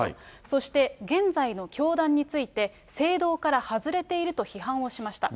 そして現在の教団について、正道から外れていると批判をしました。